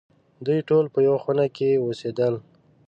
دوی ټول په یوه خونه کې اوسېدل.